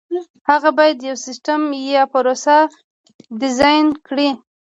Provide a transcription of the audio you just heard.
هغه باید یو سیسټم یا پروسه ډیزاین کړي.